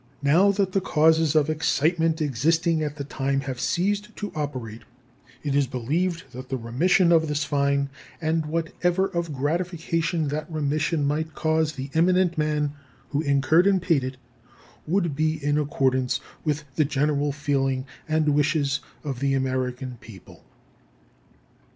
Now that the causes of excitement existing at the time have ceased to operate, it is believed that the remission of this fine and whatever of gratification that remission might cause the eminent man who incurred and paid it would be in accordance with the general feeling and wishes of the American people.